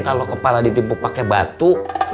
kalo kepala ditipu pake batu